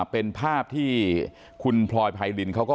เป็นภาพที่คุณพรอยพายลิน